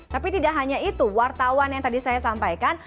tapi tidak hanya itu wartawan yang tadi saya sampaikan